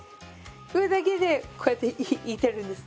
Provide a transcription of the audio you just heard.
グーだけでこうやっていってるんです。